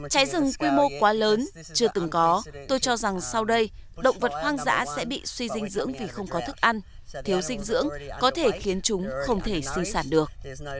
cháy rừng quy mô quá lớn chưa từng có tôi cho rằng sau đây động vật hoang dã sẽ bị suy dinh dưỡng vì không có thức ăn thiếu dinh dưỡng có thể khiến chúng không thể sinh sản được